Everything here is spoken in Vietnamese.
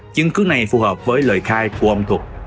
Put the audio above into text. chứng cứ này phù hợp với lời khai của âm thuật